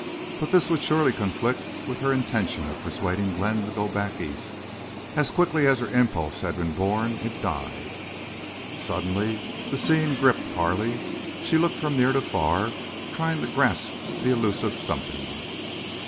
But this would surely conflict with her intention of persuading Glenn to go back East. As quickly as her impulse had been born it died. Suddenly the scene gripped Carley. She looked from near to far, trying to grasp the illusive something.